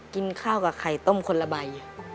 กินข้าวกับไข่ต้มคนละใบ